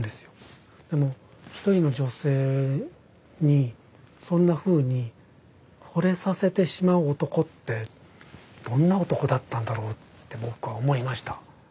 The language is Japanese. でも一人の女性にそんなふうにほれさせてしまう男ってどんな男だったんだろうって僕は思いました。